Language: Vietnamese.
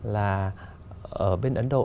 là ở bên ấn độ